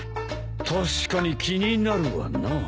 確かに気になるわなあ。